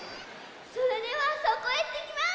それではそこへいってきます！